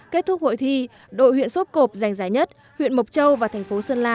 kết thúc hội thi đội huyện sốp cộp giành giải nhất huyện mộc châu và thành phố sơn la